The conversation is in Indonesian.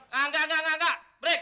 tidak tidak tidak